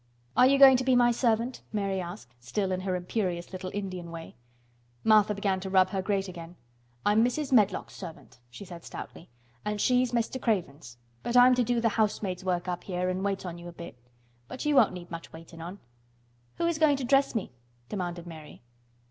"Are you going to be my servant?" Mary asked, still in her imperious little Indian way. Martha began to rub her grate again. "I'm Mrs. Medlock's servant," she said stoutly. "An' she's Mr. Craven's—but I'm to do the housemaid's work up here an' wait on you a bit. But you won't need much waitin' on." "Who is going to dress me?" demanded Mary.